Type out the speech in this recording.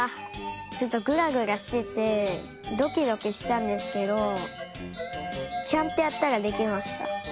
ちょっとグラグラしててドキドキしたんですけどちゃんとやったらできました。